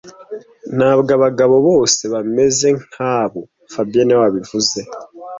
Ntabwo abagabo bose bameze nkabo fabien niwe wabivuze